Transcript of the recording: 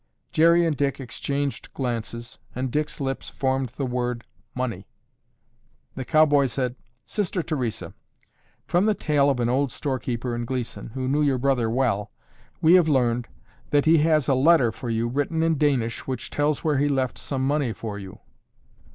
Jerry and Dick exchanged glances and Dick's lips formed the word "money." The cowboy said, "Sister Theresa, from the tale of an old storekeeper in Gleeson, who knew your brother well, we have learned that he has a letter for you written in Danish which tells where he left some money for you."